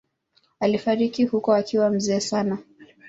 Alifariki huko akiwa mzee sana.